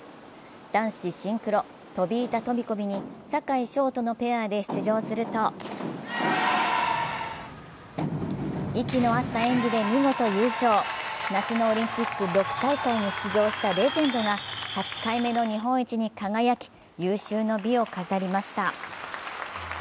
男子シンクロ・飛び板飛び込みに坂井丞とのペアで出場すると息の合った演技で見事優勝、夏のオリンピック６大会に出場したレジェンドが８回目の日本一に輝き、有終の美を飾りました。